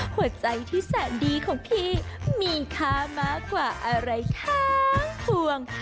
หัวใจที่แสนดีของพี่มีค่ามากกว่าอะไรทั้งพวง